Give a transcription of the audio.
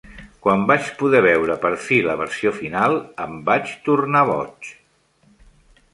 "Quan vaig poder veure per fi la versió final, em vaig tornar boig."